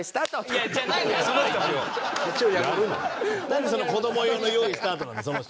なんで子供用の「用意スタート」なの？